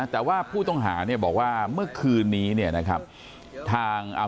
แต่ว่าผู้ต้องหาบอกว่าเมื่อคืนนี้นะครับ